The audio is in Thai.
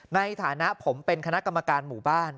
ในฐานะผมเป็นคณะกรรมการหมู่บ้าน